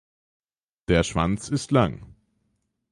Der Schwanz ist lang.